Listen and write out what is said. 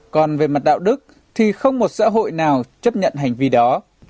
còn về mặt đạo đức thì không một xã hội nào chấp nhận hành vi đó